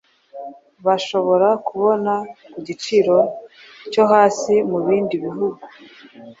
bashobora kubona ku giciro cyo hasi mu bindi bihugu.